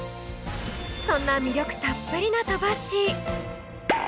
そんな魅力たっぷりな鳥羽市！